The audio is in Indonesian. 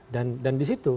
dan di situ